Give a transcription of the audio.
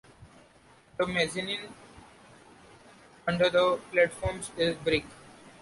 The mezzanine under the platforms is brick.